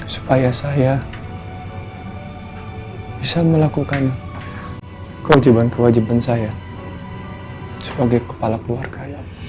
supaya saya bisa melakukan kewajiban kewajiban saya sebagai kepala keluarga